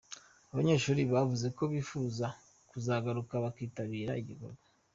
Abanyeshuri bavuze ko bifuza kuzagaruka bakitabira igikorwa.